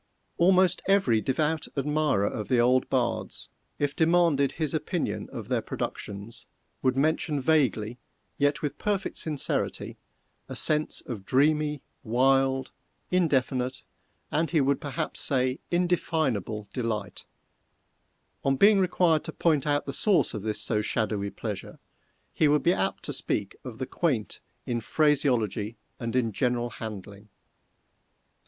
Almost every devout admirer of the old bards, if demanded his opinion of their productions, would mention vaguely, yet with perfect sincerity, a sense of dreamy, wild, indefinite, and he would perhaps say, indefinable delight; on being required to point out the source of this so shadowy pleasure, he would be apt to speak of the quaint in phraseology and in general handling.